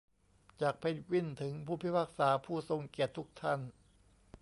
จากเพนกวินถึงผู้พิพากษาผู้ทรงเกียรติทุกท่าน